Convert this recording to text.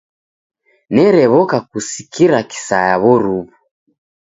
Nerew'oka kusikira kisaya w'oruw'u.